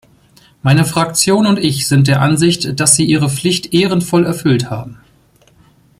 Meine Fraktion und ich sind der Ansicht, dass Sie Ihre Pflicht ehrenvoll erfüllt haben.